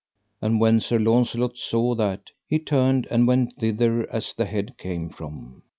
And when Sir Launcelot saw that, he turned and went thither as the head came from.